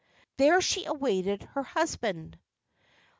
There she awaited her husband.